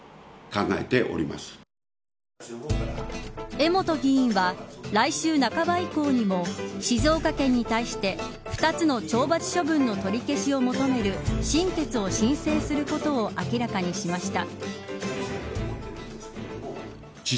江本議員は来週半ば以降にも静岡県に対して２つの懲罰処分の取り消しを求める審決を申請することを明らかにしました。